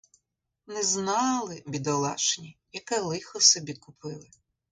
Не знали, бідолашні, яке лихо собі купили.